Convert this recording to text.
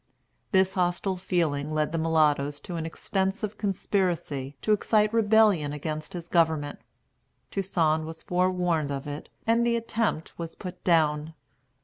This hostile feeling led the mulattoes into an extensive conspiracy to excite rebellion against his government. Toussaint was forewarned of it, and the attempt was put down.